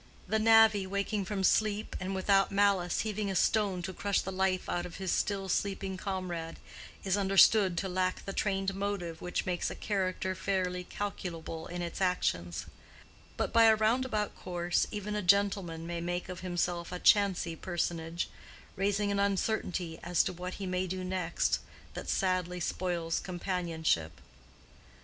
The navvy waking from sleep and without malice heaving a stone to crush the life out of his still sleeping comrade, is understood to lack the trained motive which makes a character fairly calculable in its actions; but by a roundabout course even a gentleman may make of himself a chancy personage, raising an uncertainty as to what he may do next, that sadly spoils companionship.